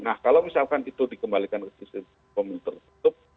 nah kalau misalkan itu dikembalikan ke sistem pemilu tertutup